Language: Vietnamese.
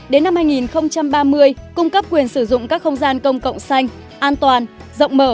một mươi một bảy đến năm hai nghìn ba mươi cung cấp quyền sử dụng các không gian công cộng xanh an toàn rộng mở